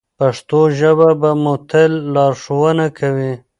پښتو ژبه به مو تل لارښوونه کوي.